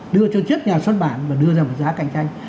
đưa cho trước nhà xuất bản và đưa ra một giá cạnh tranh